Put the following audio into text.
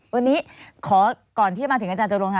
วันนี้ขอก่อนที่มาถึงอาจารย์จบลงค่ะ